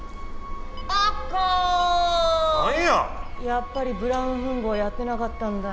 やっぱりブラウン吻合やってなかったんだ。